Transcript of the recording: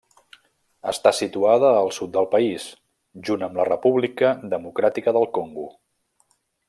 Està situada al sud del país, junt amb la República Democràtica del Congo.